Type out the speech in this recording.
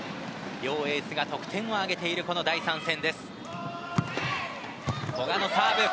両エースが得点を挙げている第３戦。